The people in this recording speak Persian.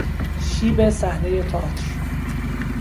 شیب صحنهی تئاتر